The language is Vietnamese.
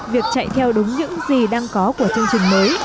việc chạy theo đúng những gì đang có của chương trình mới